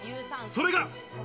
それが。